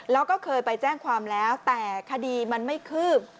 แล้วก็เคยไปแจ้งความแล้วแต่คดีมันไม่คืบ